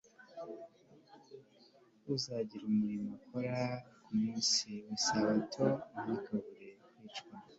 Uzagira umurimo akora ku munsi wisabato ntakabure kwicwa